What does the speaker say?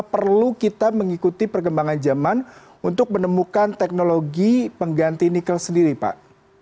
perlu kita mengikuti perkembangan zaman untuk menemukan teknologi pengganti nikel sendiri pak